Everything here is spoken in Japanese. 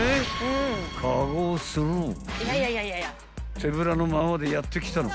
［手ぶらのままでやって来たのは］